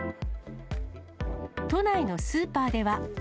都内のスーパーでは。